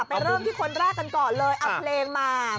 เริ่มที่คนแรกกันก่อนเลยเอาเพลงมา